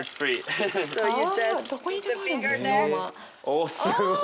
おすごい。